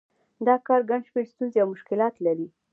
دا کار ګڼ شمېر ستونزې او مشکلات لري